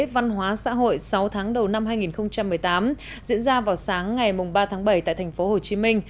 văn hóa xã hội sáu tháng đầu năm hai nghìn một mươi tám diễn ra vào sáng ngày ba tháng bảy tại tp hcm